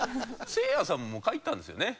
せいやさんも書いたんですよね？